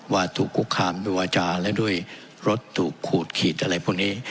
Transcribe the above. ว่าถูกคุกคามด้วยวาจาแล้วด้วยรถถูกขูดขีดอะไรพวกนี้